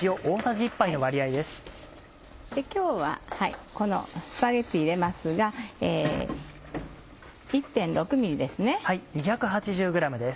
今日はこのスパゲティ入れますが１．６ｍｍです。